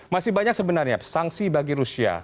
masih banyak sebenarnya sanksi bagi rusia